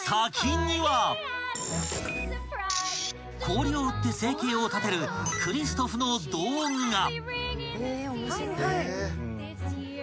［氷を売って生計を立てるクリストフの道具が］